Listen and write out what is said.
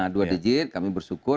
dua digit kami bersyukur